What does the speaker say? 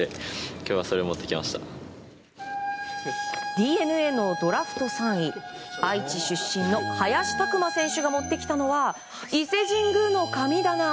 ＤｅＮＡのドラフト３位愛知出身の林琢真選手が持ってきたのは伊勢神宮の神棚。